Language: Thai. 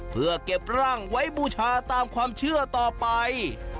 เพื่อเก็บร่างไว้บูชาตามความเชื่อต่อไป